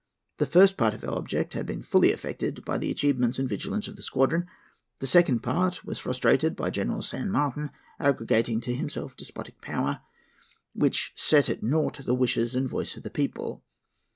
The first part of our object had been fully effected by the achievements and vigilance of the squadron; the second part was frustrated by General San Martin arrogating to himself despotic power, which set at naught the wishes and voice of the people.